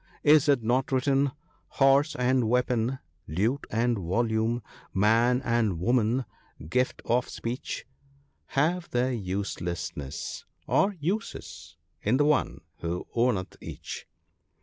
Is it not written ?—" Horse and weapon, lute and volume, man and woman, gift of speech, Have their uselessness or uses in the One who owneth each."